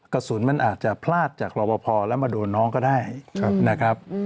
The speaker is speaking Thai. กระสุนมันอาจจะพลาดจากรอบพอแล้วมาโดนน้องก็ได้นะครับ